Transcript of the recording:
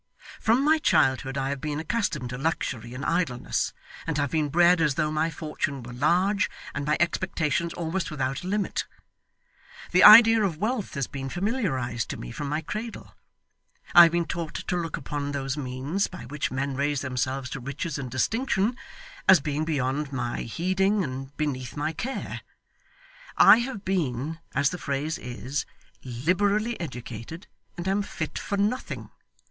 From my childhood I have been accustomed to luxury and idleness, and have been bred as though my fortune were large, and my expectations almost without a limit. The idea of wealth has been familiarised to me from my cradle. I have been taught to look upon those means, by which men raise themselves to riches and distinction, as being beyond my heeding, and beneath my care. I have been, as the phrase is, liberally educated, and am fit for nothing.